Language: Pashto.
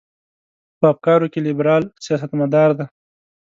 په افکارو کې لیبرال سیاستمدار دی.